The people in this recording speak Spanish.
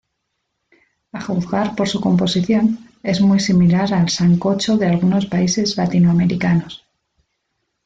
A juzgar por su composición, es muy similar al sancocho de algunos países latinoamericanos.